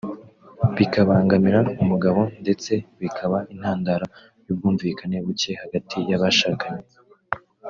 bikabangamira umugabo ndetse bikaba intandaro y'ubwumvikane buke hagati y'abashakanye